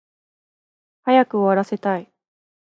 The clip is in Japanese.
早く終わらせたい